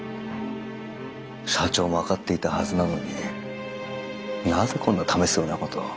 社長も分かっていたはずなのになぜこんな試すようなことを。